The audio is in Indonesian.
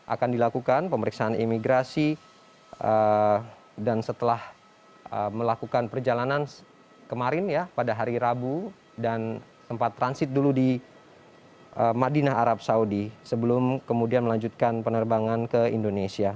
akan dilakukan pemeriksaan imigrasi dan setelah melakukan perjalanan kemarin ya pada hari rabu dan tempat transit dulu di madinah arab saudi sebelum kemudian melanjutkan penerbangan ke indonesia